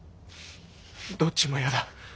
どっちも嫌だ。